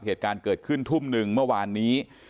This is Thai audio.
เหตุการณ์เกิดขึ้นทุ่มหนึ่งเมื่อวานนี้